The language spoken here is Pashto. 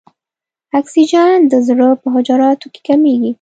اکسیجن د زړه په حجراتو کې کمیږي.